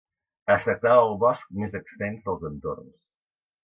Es tractava del bosc més extens dels entorns.